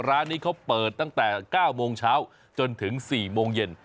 ร้านนี้เขาเปิดตั้งแต่๙โมงเช้าจนถึง๔โมงเย็น